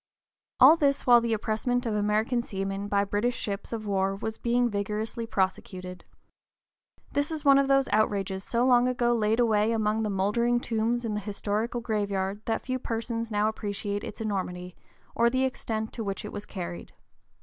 (p. 043) All this while the impressment of American seamen by British ships of war was being vigorously prosecuted. This is one of those outrages so long ago laid away among the mouldering tombs in the historical graveyard that few persons now appreciate its enormity, or the extent to which it was carried.